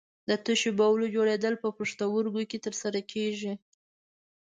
د تشو بولو جوړېدل په پښتورګو کې تر سره کېږي.